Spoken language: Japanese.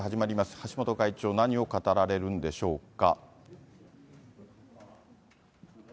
橋本会長、何を語られるんでしょうか。